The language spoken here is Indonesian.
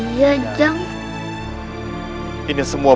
tuhan anda suci